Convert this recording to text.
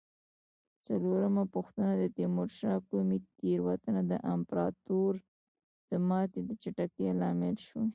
څلورمه پوښتنه: د تیمورشاه کومې تېروتنه د امپراتورۍ د ماتې د چټکتیا لامل شوې؟